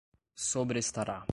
sobrestará